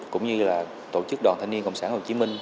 cũng như là tổ chức đoàn thanh niên cộng sản hồ chí minh